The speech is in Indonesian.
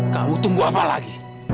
kamu tunggu apa lagi